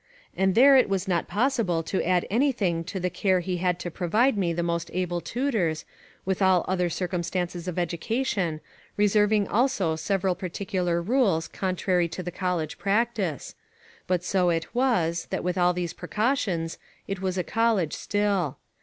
And there it was not possible to add anything to the care he had to provide me the most able tutors, with all other circumstances of education, reserving also several particular rules contrary to the college practice; but so it was, that with all these precautions, it was a college still.